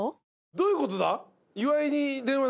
どういうことだ？